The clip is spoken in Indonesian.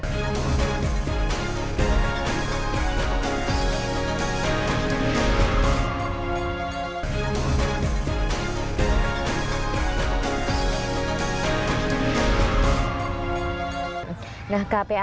kepala pembangunan rakyat jakarta